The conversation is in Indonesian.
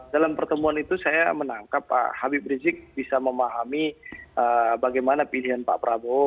dalam pertemuan itu saya menangkap pak habib rizik bisa memahami bagaimana pilihan pak prabowo